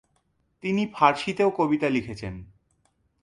তিনি ফারসিতেও কবিতা লিখেছেন।